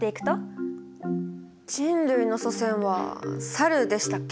人類の祖先はサルでしたっけ？